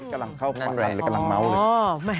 กำลังเข้าพักและกำลังเมาเลย